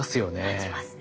感じますね。